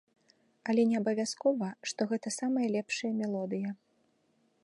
Але не абавязкова, што гэта самая лепшая мелодыя.